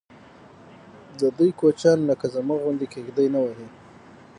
ددوی کوچیان لکه زموږ غوندې کېږدۍ نه وهي.